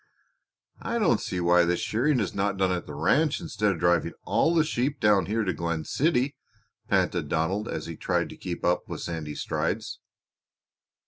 "I don't see why the shearing is not done at the ranch instead of driving all the sheep down here to Glen City," panted Donald as he tried to keep up with Sandy's strides.